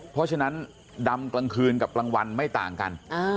เพราะฉะนั้นดำกลางคืนกับกลางวันไม่ต่างกัน